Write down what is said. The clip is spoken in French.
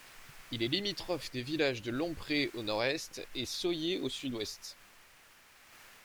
Il est limitrophe des villages de Lomprez au nord-est et Sohier au sud-ouest.